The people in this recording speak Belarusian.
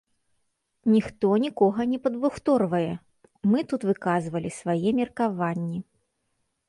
Ніхто нікога не падбухторвае, мы тут выказвалі свае меркаванні.